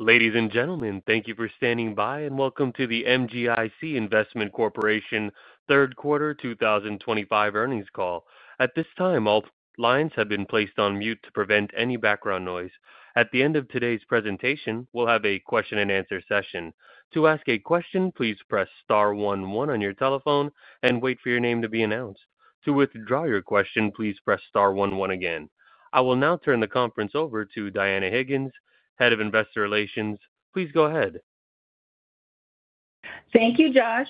Ladies and gentlemen, thank you for standing by and welcome to the MGIC Investment Corporation third quarter 2025 earnings call. At this time, all lines have been placed on mute to prevent any background noise. At the end of today's presentation, we'll have a question and answer session. To ask a question, please press star one one on your telephone and wait for your name to be announced. To withdraw your question, please press star one one again. I will now turn the conference over to Dianna Higgins, Head of Investor Relations. Please go ahead. Thank you, Josh.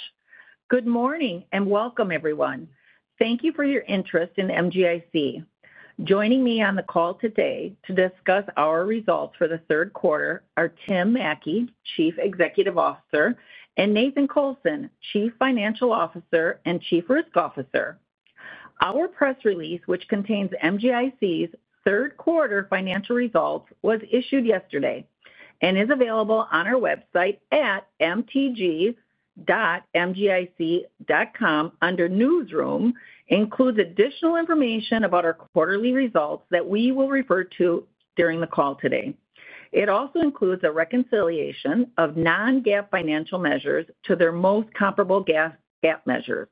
Good morning and welcome everyone. Thank you for your interest in MGIC. Joining me on the call today to discuss our results for the third quarter are Tim Mattke, Chief Executive Officer, and Nathan Colson, Chief Financial Officer and Chief Risk Officer. Our press release, which contains MGIC's third quarter financial results, was issued yesterday and is available on our website at mtg.mgic.com under Newsroom. It includes additional information about our quarterly results that we will refer to during the call today. It also includes a reconciliation of non-GAAP financial measures to their most comparable GAAP measures.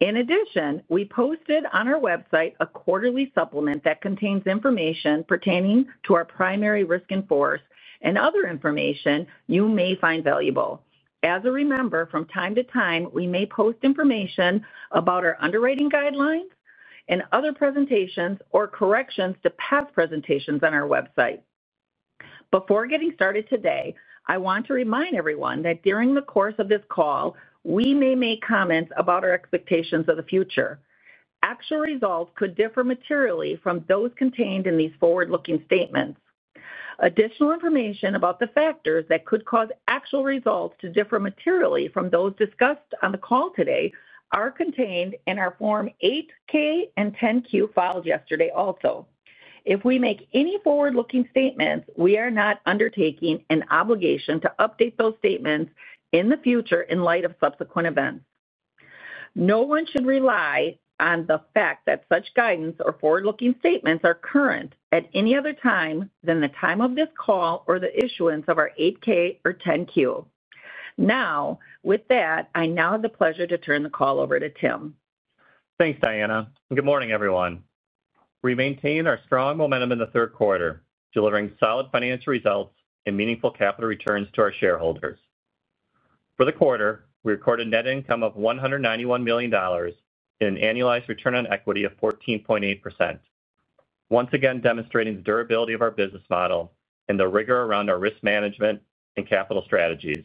In addition, we posted on our website a quarterly supplement that contains information pertaining to our primary risk in force and other information you may find valuable. As a reminder, from time to time we may post information about our underwriting guidelines and other presentations or corrections to past presentations on our website. Before getting started today, I want to remind everyone that during the course of this call we may make comments about our expectations of the future. Actual results could differ materially from those contained in these forward-looking statements. Additional information about the factors that could cause actual results to differ materially from those discussed on the call today are contained in our Form 8-K and 10-Q filed yesterday. Also, if we make any forward-looking statements, we are not undertaking an obligation to update those statements in the future in light of subsequent events. No one should rely on the fact that such guidance or forward-looking statements are current at any other time than the time of this call or the issuance of our 8-K or 10-Q. Now, with that, I have the pleasure to turn the call over to Tim. Thanks, Dianna. Good morning everyone. We maintain our strong momentum in the third quarter, delivering solid financial results and meaningful capital returns to our shareholders. For the quarter, we recorded net income of $191 million and an annualized return on equity of 14.8%, once again demonstrating the durability of our business model and the rigor around our risk management and capital strategies.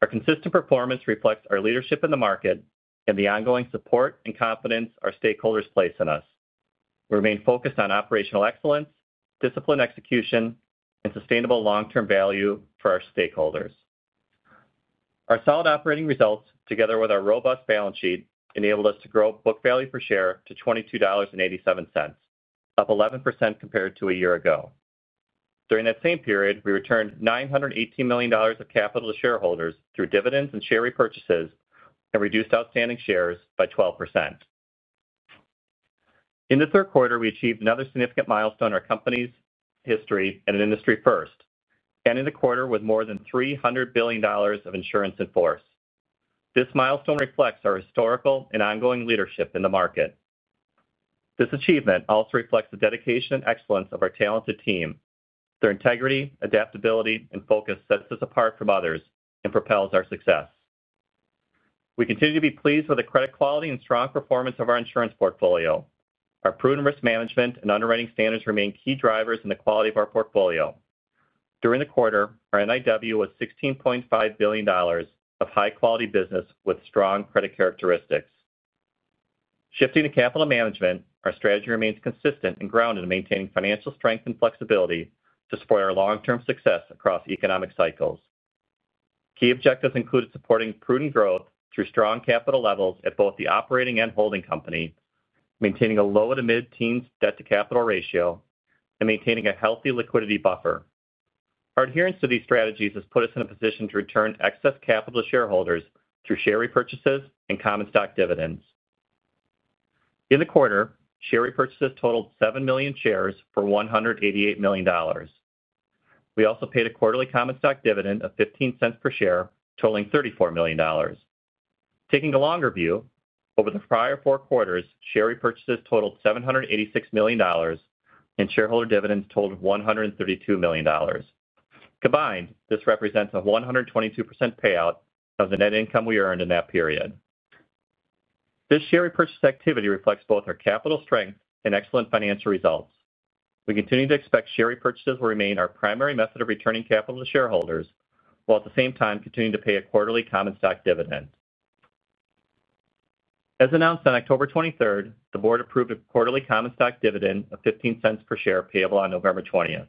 Our consistent performance reflects our leadership in the market and the ongoing support and confidence our stakeholders place in us. We remain focused on operational excellence, disciplined execution, and sustainable long term value for our stakeholders. Our solid operating results together with our robust balance sheet enabled us to grow book value per share to $22.87, up 11% compared to a year ago. During that same period, we returned $918 million of capital to shareholders through dividends and share repurchases and reduced outstanding shares by 12%. In the third quarter, we achieved another significant milestone in our company's history and an industry first in the quarter. With more than $300 billion of insurance in force, this milestone reflects our historical and ongoing leadership in the market. This achievement also reflects the dedication and excellence of our talented team. Their integrity, adaptability, and focus set us apart from others and propel our success. We continue to be pleased with the credit quality and strong performance of our insurance portfolio. Our prudent risk management and underwriting standards remain key drivers in the quality of our portfolio. During the quarter, our NIW was $16.5 billion of high quality business with strong credit characteristics. Shifting to capital management, our strategy remains consistent and grounded in maintaining financial strength and flexibility to support our long term success across economic cycles. Key objectives include supporting prudent growth through strong capital levels at both the operating and holding company, maintaining a low to mid teens debt to capital ratio, and maintaining a healthy liquidity buffer. Our adherence to these strategies has put us in a position to return excess capital to shareholders through share repurchases and common stock dividends. In the quarter, share repurchases totaled 7 million shares for $188 million. We also paid a quarterly common stock dividend of $0.15 per share, totaling $34 million. Taking a longer view over the prior four quarters, share repurchases totaled $786 million and shareholder dividends totaled $132 million combined. This represents a 122% payout of the net income we earned in that period. This share repurchase activity reflects both our capital strength and excellent financial results. We continue to expect share repurchases will remain our primary method of returning capital to shareholders while at the same time continuing to pay a quarterly common stock dividend. As announced on October 23rd, the board approved a quarterly common stock dividend of $0.15 per share payable on November 20th.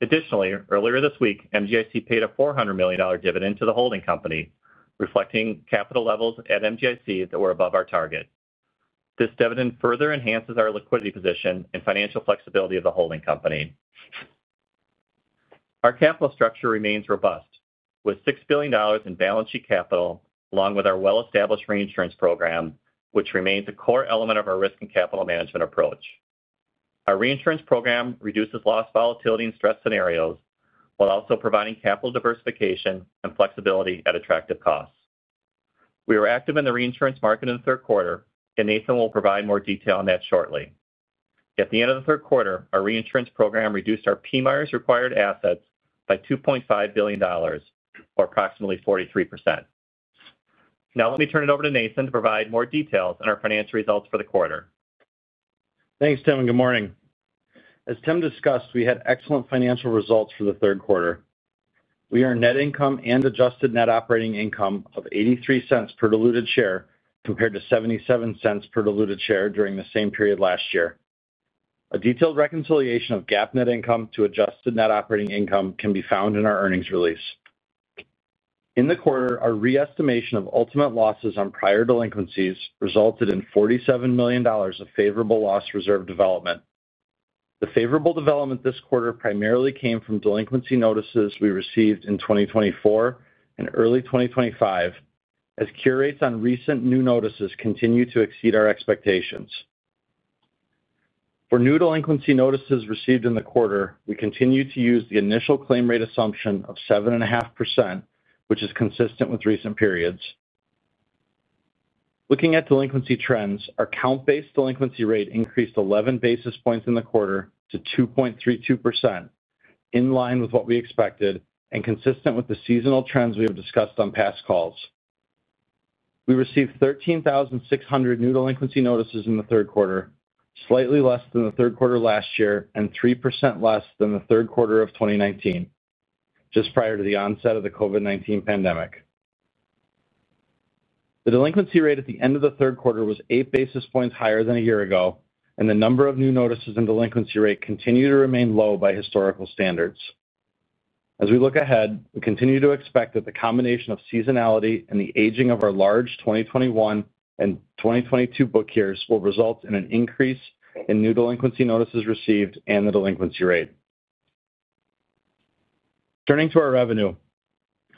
Additionally, earlier this week, MGIC paid a $400 million dividend to the holding company, reflecting capital levels at MGIC that were above our target. This dividend further enhances our liquidity position and financial flexibility of the holding company. Our capital structure remains robust with $6 billion in balance sheet capital along with our well-established reinsurance program, which remains a core element of our risk and capital management approach. Our reinsurance program reduces loss volatility and stress scenarios while also providing capital diversification and flexibility at attractive costs. We were active in the reinsurance market in the third quarter and Nathan will provide more detail on that shortly. At the end of the third quarter, our reinsurance program reduced our PMIERS required assets by $2.5 billion, or approximately 43%. Now let me turn it over to Nathan to provide more details on our financial results for the quarter. Thanks Tim and good morning. As Tim discussed, we had excellent financial results for the third quarter. We earned net income and adjusted net operating income of $0.83 per diluted share compared to $0.77 per diluted share during the same period last year. A detailed reconciliation of GAAP net income to adjusted net operating income can be found in our earnings release. In the quarter, our re-estimation of ultimate losses on prior delinquencies resulted in $47 million of favorable loss reserve development. The favorable development this quarter primarily came from delinquency notices we received in 2024 and early 2025. As cure rates on recent new notices continue to exceed our expectations for new delinquency notices received in the quarter, we continue to use the initial claim rate assumption of 7.5% which is consistent with recent periods. Looking at delinquency trends, our count-based delinquency rate increased 11 basis points in the quarter to 2.32% in line with what we expected and consistent with the seasonal trends we have discussed on past calls. We received 13,600 new delinquency notices in the third quarter, slightly less than the third quarter last year and 3% less than the third quarter of 2019, just prior to the onset of the COVID-19 pandemic. The delinquency rate at the end of the third quarter was 8 basis points higher than a year ago and the number of new notices and delinquency rate continue to remain low by historical standards. As we look ahead, we continue to expect that the combination of seasonality and the aging of our large 2021 and 2022 book years will result in an increase in new delinquency notices received and the delinquency rate. Turning to our revenue,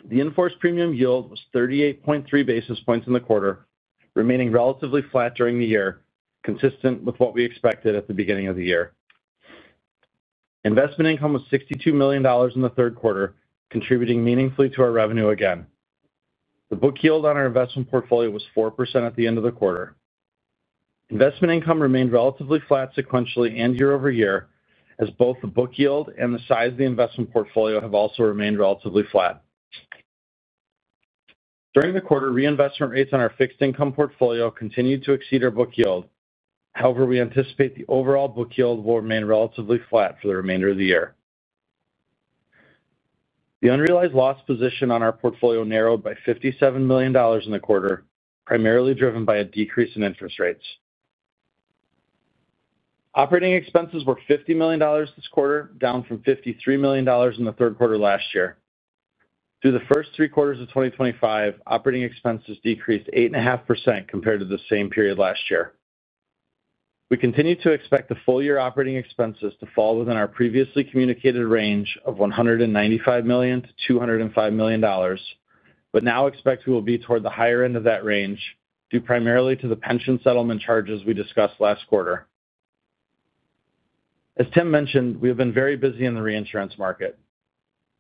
the in force premium yield was 38.3 basis points in the quarter, remaining relatively flat during the year, consistent with what we expected at the beginning of the year. Investment income was $62 million in the third quarter, contributing meaningfully to our revenue. Again, the book yield on our investment portfolio was 4% at the end of the quarter. Investment income remained relatively flat sequentially and year over year as both the book yield and the size of the investment portfolio have also remained relatively flat. During the quarter, reinvestment rates on our fixed income portfolio continued to exceed our book yield. However, we anticipate the overall book yield will remain relatively flat for the remainder of the year. The unrealized loss position on our portfolio narrowed by $57 million in the quarter, primarily driven by a decrease in interest rates. Operating expenses were $50 million this quarter, down from $53 million in the third quarter last year. Through the first three quarters of 2025, operating expenses decreased 8.5% compared to the same period last year. We continue to expect the full year operating expenses to fall within our previously communicated range of $195 million-$205 million, but now expect we will be toward the higher end of that range due primarily to the pension settlement charges we discuss. As Tim mentioned, we have been very busy in the reinsurance market.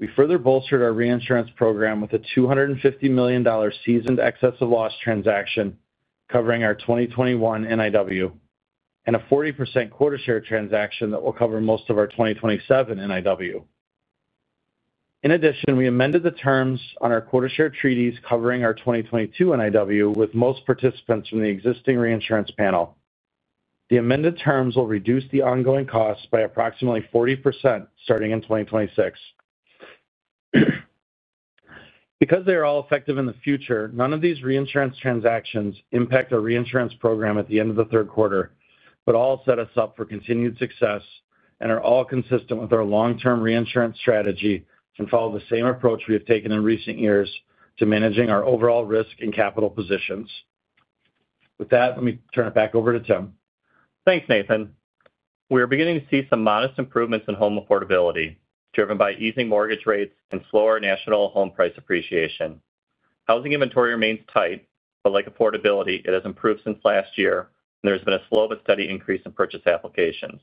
We further bolstered our reinsurance program with a $250 million seasoned excess of loss transaction covering our 2021 NIW and a 40% quota share transaction that will cover most of our 2027 NIW. In addition, we amended the terms on our quota share treaties covering our 2022 NIW with most participants from the existing reinsurance panel. The amended terms will reduce the ongoing costs by approximately 40% starting in 2026 because they are all effective in the future. None of these reinsurance transactions impact our reinsurance program at the end of the third quarter, but all set us up for continued success and are all consistent with our long term reinsurance strategy and follow the same approach we have taken in recent years to managing our overall risk and capital positions. With that, let me turn it back over to Tim. Thanks, Nathan. We are beginning to see some modest improvements in home affordability, driven by easing mortgage rates and slower national home price appreciation. Housing inventory remains tight, but like affordability, it has improved since last year, and there's been a slow but steady increase in purchase applications.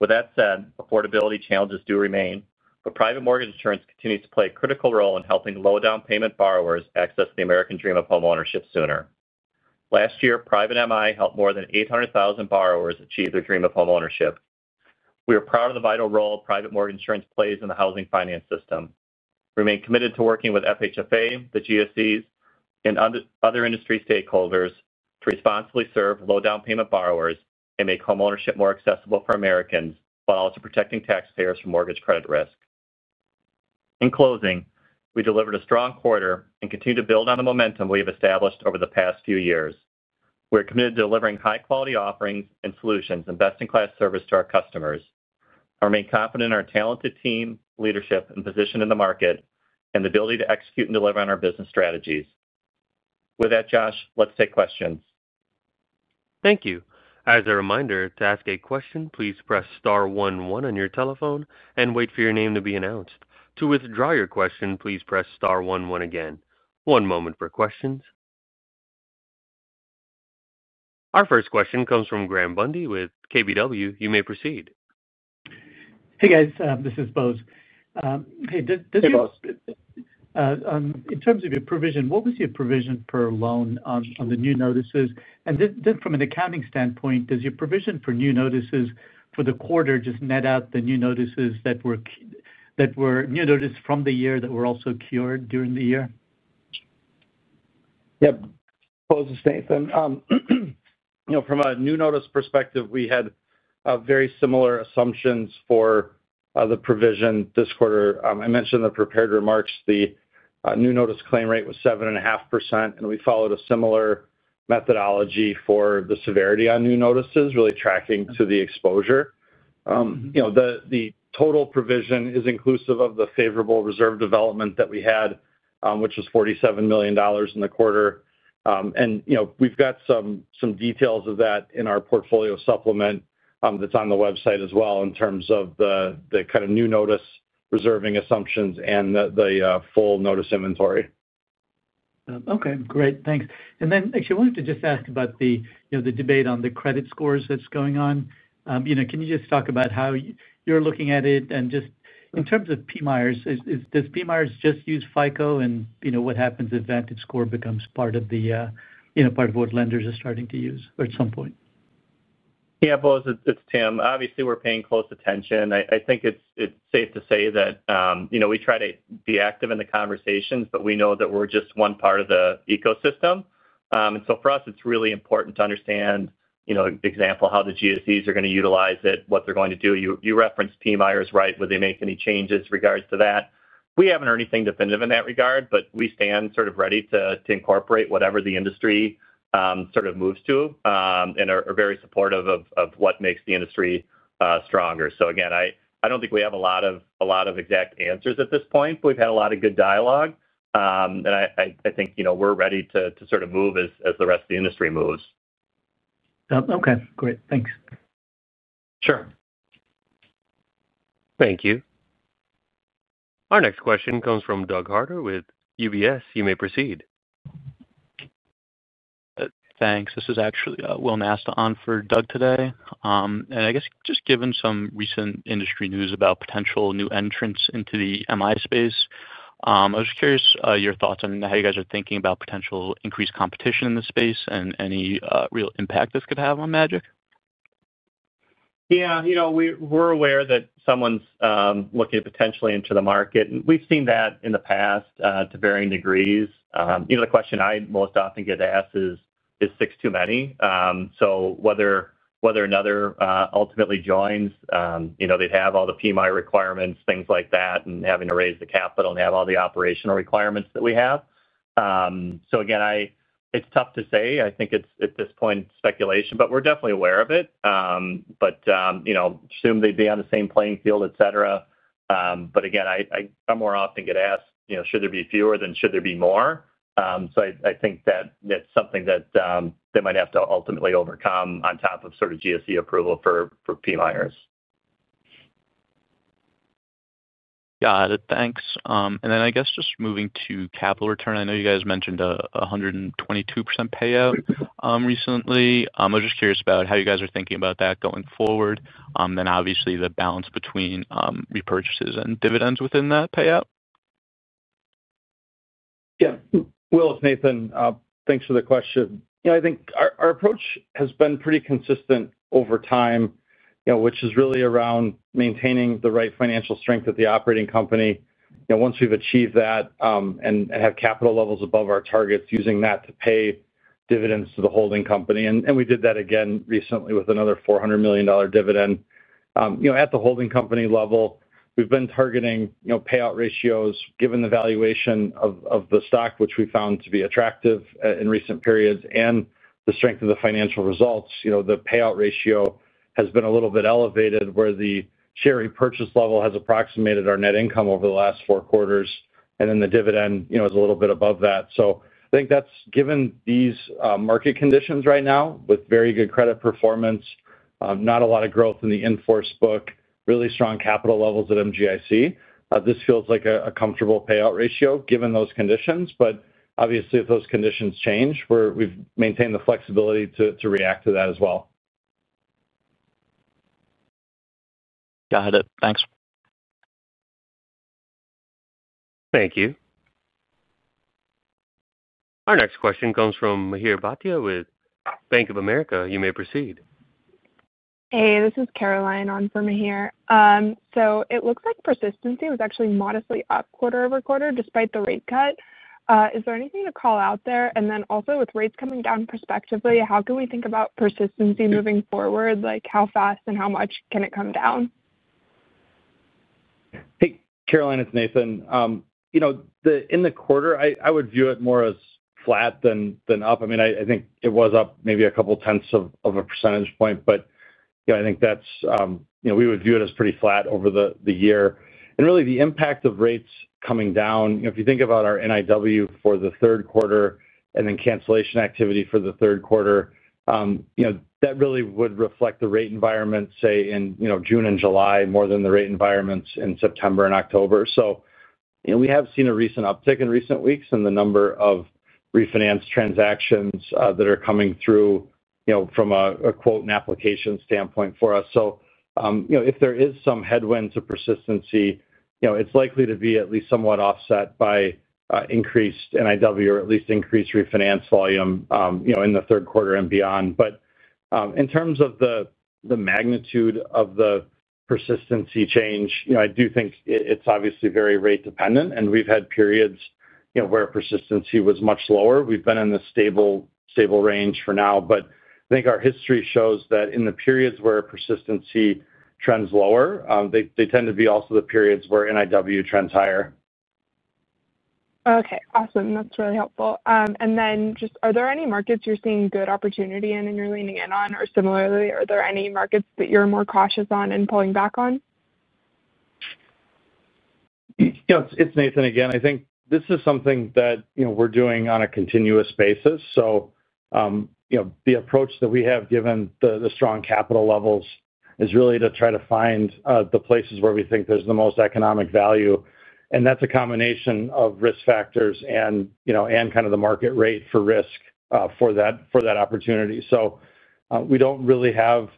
With that said, affordability challenges do remain, but private mortgage insurance continues to play a critical role in helping low down payment borrowers access the American dream of homeownership sooner. Last year, private MI helped more than 800,000 borrowers achieve their dream of homeownership. We are proud of the vital role private mortgage insurance plays in the housing finance system. We remain committed to working with FHFA, the GSEs, and other industry stakeholders to responsibly serve low down payment borrowers and make homeownership more accessible for Americans while also protecting taxpayers from mortgage credit risk. In closing, we delivered a strong quarter and continue to build on the momentum we have established over the past few years. We are committed to delivering high quality offerings and solutions and best-in-class service to our customers. I remain confident in our talented team, leadership, and position in the market and the ability to execute and deliver on our business strategies. With that, Josh, let's take questions. Thank you. As a reminder, to ask a question, please press star one one on your telephone and wait for your name to be announced. To withdraw your question, please press star one one again. One moment for questions. Our first question comes from Graham Bundy with KBW. You may proceed. Hey guys, this is Bose. In terms of your provision, what was your provision per loan on the new notices? From an accounting standpoint, does your provision for new notices for the quarter just net out the new notices that were new notice from the year that were also cured during the year? Yeah, Bose it's Nathan, you know, from a new notice perspective, we had very similar assumptions for the provision this quarter. I mentioned in the prepared remarks, the new notice claim rate was 7.5% and we followed a similar methodology for the severity on new notices, really tracking to the exposure. The total provision is inclusive of the favorable reserve development that we had, which was $47 million in the quarter. We've got some details of that in our portfolio supplement that's on the website as well in terms of the kind of new notice reserving assumptions and the full notice inventory. Okay, great, thanks. I wanted to just ask about the debate on the credit scores that's going on. Can you just talk about how you're looking at it and just in terms of PMIERS, does PMIERS just use FICO, and what happens if VantageScore becomes part of what lenders are starting to use at some point? Yeah, Bose, it's Tim. Obviously we're paying close attention. I think it's safe to say that we try to be active in the conversations, but we know that we're just one part of the ecosystem. For us it's really important to understand, for example, how the GSEs are going to utilize it, what they're going to do. You referenced PMIERS, right? Would they make any changes in regards to that? We haven't heard anything definitive in that regard, but we stand ready to incorporate whatever the industry moves to and are very supportive of what makes the industry. I don't think we have a lot of exact answers at this point, but we've had a lot of good dialogue and I think we're ready to move as the rest of the industry moves. Okay, great. Thanks. Sure. Thank you. Our next question comes from Doug Harter with UBS. You may proceed. Thanks. This is actually Will Nasta on for Doug today. I guess just given some recent industry news about potential new entrants into the MI space, I was curious your thoughts on how you guys are thinking about potential increased competition in the space and any real impact this could have on MGIC. Yeah, you know, we're aware that someone's looking potentially into the market, and we've seen that in the past to varying degrees. The question I most often get asked is six too many. Whether another ultimately joins, they'd have all the PMI requirements, things like that, and having to raise the capital and have all the operational requirements that we have. It's tough to say. I think it's at this point speculation, but we're definitely aware of it. Assume they'd be on the same playing field, et cetera. I more often get asked, you know, should there be fewer than should there be more. I think that that's something that they might have to ultimately overcome on top of sort of GSE approval for PMIERS. Got it. Thanks. I guess just moving to capital return, I know you guys mentioned 122% payout recently. I was just curious about how you guys are thinking about that going forward, obviously the balance between repurchases and dividends within that payout. Yeah. Will, it's Nathan. Thanks for the question. I think our approach has been pretty consistent over time, which is really around maintaining the right financial strength at the operating company. Once we've achieved that and have capital levels above our targets, using that to pay dividends to the holding company. We did that again recently with another $400 million dividend at the holding company level. We've been targeting payout ratios given the valuation of the stock, which we found to be attractive in recent periods, and the strength of the financial results. The payout ratio has been a little bit elevated, where the share repurchase level has approximated our net income over the last four quarters, and then the dividend is a little bit above that. I think that's given these market conditions right now with very good credit performance, not a lot of growth in the insurance in force book, really strong capital levels at MGIC. This feels like a comfortable payout ratio given those conditions. Obviously, if those conditions change, we've maintained the flexibility to react to that as well. Got it. Thanks. Thank you. Our next question comes from Mihir Bhatia with Bank of America. You may proceed. Hey, this is Caroline on for Mihir. It looks like persistency was actually modestly up quarter over quarter despite the rate cut. Is there anything to call out there? Also, with rates coming down prospectively, how can we think about persistency moving forward? How fast and how much can it come down? Hey Caroline, it's Nathan. In the quarter, I would view it more as flat than up. I think it was up maybe a couple tenths of a percentage point but I think that's. We would view it as pretty flat over the year. Really, the impact of rates coming down, if you think about our NIW for the third quarter and then cancellation activity for the third quarter, that really would reflect the rate environment, say in June and July more than the rate environments in September and October. We have seen a recent uptick in recent weeks in the number of refinance transactions that are coming through from a quote and application standpoint for us. If there is some headwind to persistency, it's likely to be at least somewhat offset by increased NIW or at least increased refinance volume in the third quarter and beyond. In terms of the magnitude of the persistency change, I do think it's obviously very rate dependent. We've had periods where persistency was much lower. We've been in the stable range for now, but I think our history shows that in the periods where persistency trends lower, they tend to be also the periods where NIW trends higher. Okay, awesome. That's really helpful. Are there any markets you're seeing good opportunity in and you're leaning in on, or similarly, are there any markets that you're more cautious on and pulling back on? You know, it's Nathan again. I think this is something that we're doing on a continuous basis. The approach that we have, given the strong capital levels, is really to try to find the places where we think there's the most economic value. That's a combination of risk factors and kind of the market rate for risk for that opportunity. We don't really have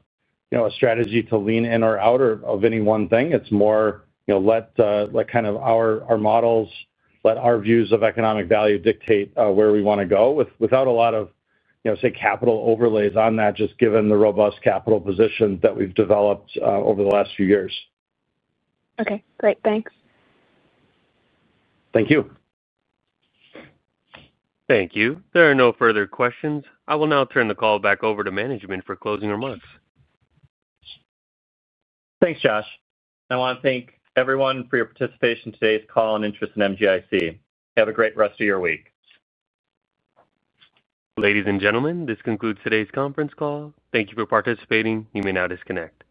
a strategy to lean in or out of any one thing. It's more our models let our views of economic value dictate where we want to go without a lot of, say, capital overlays on that, just given the robust capital position that we've developed over the last few years. Okay, great. Thanks. Thank you. Thank you. There are no further questions. I will now turn the call back over to management for closing remarks. Thanks, Josh. I want to thank everyone for your participation in today's call and interest in MGIC. Have a great rest of your week. Ladies and gentlemen, this concludes today's conference call. Thank you for participating. You may now disconnect.